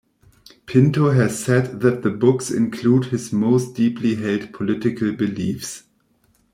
Pinto has said that the books include his most deeply held political beliefs.